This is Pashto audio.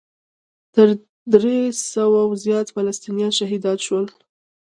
تر درې سوو زیات فلسطینیان شهیدان شول.